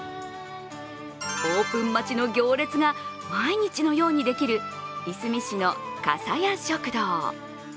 オープン待ちの行列が毎日のようにできるいすみ市のかさや食堂。